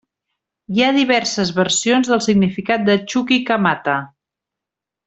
Hi ha diverses versions del significat de Chuquicamata.